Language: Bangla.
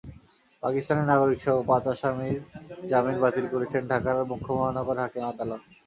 পাকিস্তানি নাগরিকসহ পাঁচ আসামির জামিন বাতিল করেছেন ঢাকার মুখ্য মহানগর হাকিম আদালত।